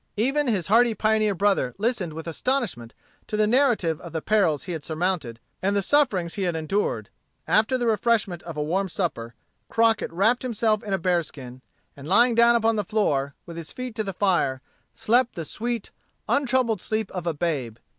Even his hardy pioneer brother listened with astonishment to the narrative of the perils he had surmounted and the sufferings he had endured. After the refreshment of a warm supper, Crockett wrapped himself in a bearskin, and lying down upon the floor, with his feet to the fire, slept the sweet, untroubled sleep of a babe.